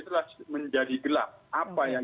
telah menjadi gelap apa yang